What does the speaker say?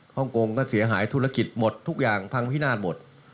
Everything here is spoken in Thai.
ฮ่องกงก็เสียหายธุรกิจหมดทุกอย่างพังพินาศหมด